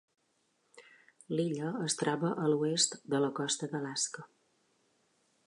L'illa es troba a l'oest de la costa d'Alaska.